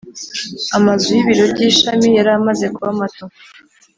Amazu y ibiro by ishami yari amaze kuba mato